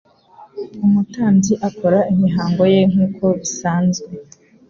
Umutambyi akora imihango ye nk'uko bisanzwe